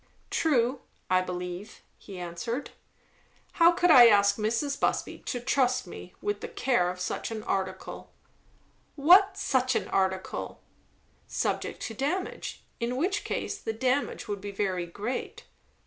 "True, I believe," he answered. "How could I ask Mrs. Busby to trust me with the care of such an article?" "What 'such an article'?" "Subject to damage; in which case the damage would be very great."